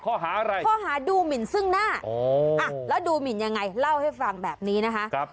ข้อหาอะไรข้อหาดูหมินซึ่งหน้าแล้วดูหมินยังไงเล่าให้ฟังแบบนี้นะคะ